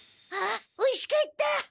あおいしかった。